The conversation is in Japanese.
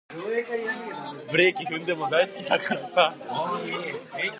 ブレーキ踏んでも大好きだからさ